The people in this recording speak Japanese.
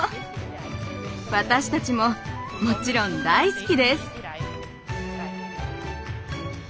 私たちももちろん大好きです。